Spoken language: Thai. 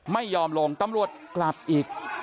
ไม่ยอมลงตำรวจกลับอีก